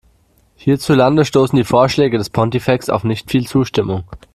Hierzulande stoßen die Vorschläge des Pontifex auf nicht viel Zustimmung.